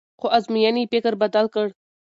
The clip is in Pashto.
خو ازموینې یې فکر بدل کړ.